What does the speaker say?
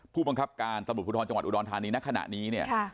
ผู้บังคับการสมุทรผุดธรรมจังหวัดอุดรธานีณขณะนี้